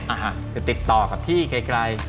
จะติดต่อกับที่ไกล